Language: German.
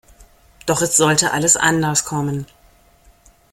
Doch es sollte alles anders kommen.